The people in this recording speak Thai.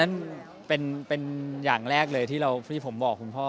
อ่ะนั่นเป็นอย่างแรกเลยที่เราที่ผมบอกคุณพ่อ